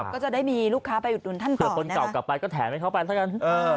ก็จะได้มีลูกค้าไปอุดหนุนท่านเผื่อคนเก่ากลับไปก็แถมให้เขาไปแล้วกัน